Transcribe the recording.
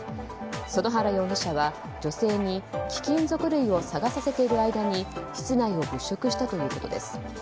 園原容疑者は女性に貴金属類を探させている間に室内を物色したということです。